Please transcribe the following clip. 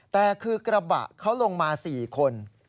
แต่คือกระบะเขาลงมา๔คน